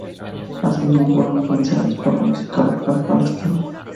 Asimismo fueron influenciados por los música local palestina.